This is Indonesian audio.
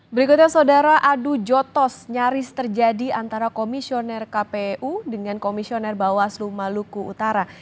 berikutnya saudara adu jotos nyaris terjadi antara komisioner kpu dengan komisioner bawaslu maluku utara